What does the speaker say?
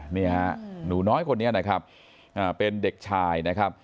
นี่ฮะหนูน้อยคนนี้นะครับเป็นเด็กชายนะครับ